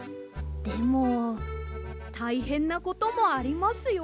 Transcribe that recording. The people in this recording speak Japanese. でもたいへんなこともありますよ。